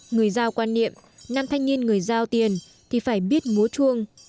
người giao quan niệm nam thanh niên người giao tiền thì phải biết múa chuông